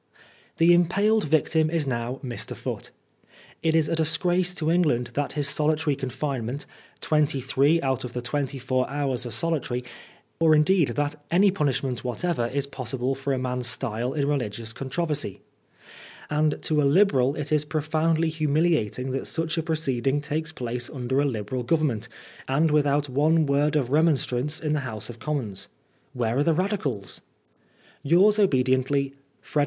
The impaled victim is now Mr. Foote. It is a disgrace to England that his solitary confinement — ^twenty three out of the twenty four hours are solitary — or indeed, that any punishment whatever is possible for a man's style in reUgious controversy ; and to a Liberal it is profoundly humiliating that such a proceeding takes place LOSS AND GAIN. 165 tmder a liberal Grovenmient and without one word of remon strance in the House of Commons. Where are the Radic^? — Yours obediently, Fbkdk.